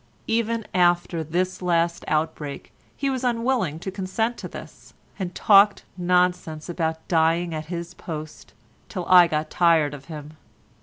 Even after this last outbreak he was unwilling to consent to this, and talked nonsense about dying at his post, till I got tired of him.